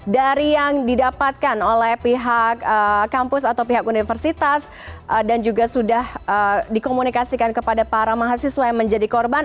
dari yang didapatkan oleh pihak kampus atau pihak universitas dan juga sudah dikomunikasikan kepada para mahasiswa yang menjadi korban